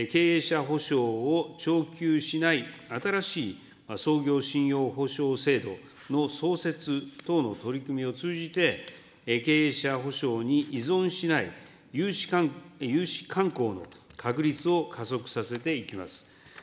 経営者保証を徴求しない、新しい創業信用保証制度の創設等の取り組みを通じて、経営者保証に依存しない融資慣行の確立を加速させていきます。